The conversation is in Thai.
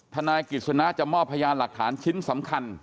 ทนายกิจสนะจะมอบพยานหลักฐานชิ้นสำคัญ